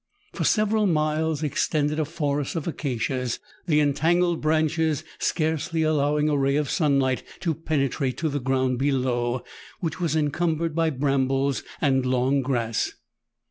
For several miles extended a forest of acacias, the entangled branches scarcely allowing a ray of sunlight to penetrate to the ground below, which was encumbered by brambles and long grass.